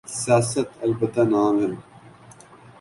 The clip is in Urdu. سیاست؛ البتہ نام ہے۔